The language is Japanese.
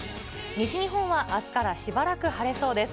西日本はあすからしばらく晴れそうです。